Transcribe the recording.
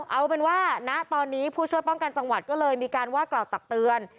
เอาเป็นว่าณตอนนี้ผู้ช่วยป้องกันจังหวัดก็เลยมีการว่ากล่าวตักเตือน